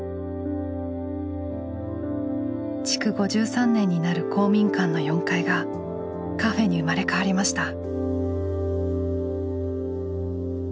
築５３年になる公民館の４階がカフェに生まれ変わりました。